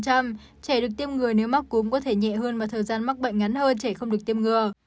trẻ được tiêm người nếu mắc cúm có thể nhẹ hơn và thời gian mắc bệnh ngắn hơn trẻ không được tiêm ngừa